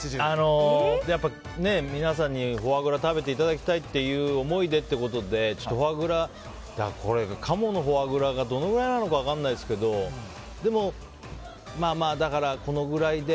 皆さんにフォアグラを食べていただきたいという思いでということでカモのフォアグラがどれぐらいなのか分かりませんがでも、まあまあ、このくらいで。